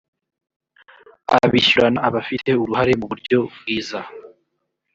abishyurana abafite uruhare mu buryo bwiza